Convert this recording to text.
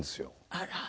あら。